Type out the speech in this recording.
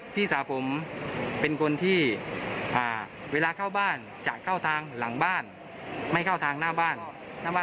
พี่สาวผมเป็นคนที่เวลาเข้าบ้านจะเข้าทางหลังบ้านไม่เข้าทางหน้าบ้าน